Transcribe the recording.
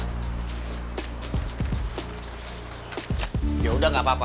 hai ya udah nggak apa apa